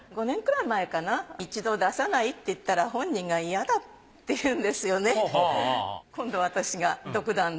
５年くらい前かな一度出さない？って言ったら本人が嫌だって言うんですよね。